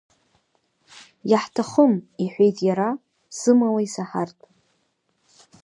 Иаҳҭахым, — иҳәеит иара, сымала исаҳартә.